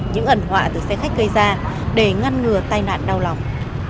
những ẩn họa từ xe khách gây ra để ngăn ngừa tai nạn đau lòng